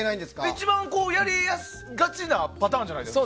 一番やりがちなパターンじゃないですか。